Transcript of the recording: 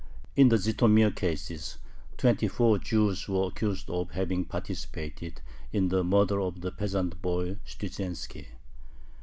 In the Zhytomir case, twenty four Jews were accused of having participated in the murder of the peasant boy Studzienski.